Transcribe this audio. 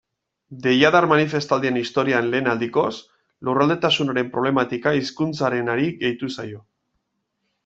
Deiadar manifestaldien historian lehen aldikoz, lurraldetasunaren problematika hizkuntzarenari gehitu zaio.